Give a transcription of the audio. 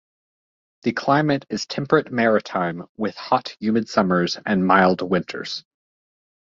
The climate is temperate maritime, with hot humid summers and mild winters.